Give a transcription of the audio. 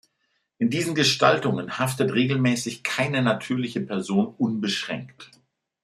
In diesen Gestaltungen haftet regelmäßig keine natürliche Person unbeschränkt.